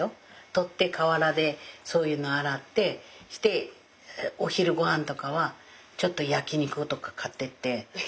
採って河原でそういうの洗ってお昼御飯とかはちょっと焼き肉とか買ってって